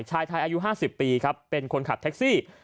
ชายไทยอายุ๕๐ปีครับเป็นคนขับแท็กซี่